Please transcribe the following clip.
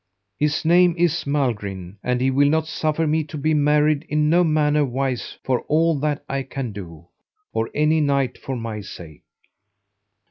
His name is Malgrin, and he will not suffer me to be married in no manner wise for all that I can do, or any knight for my sake.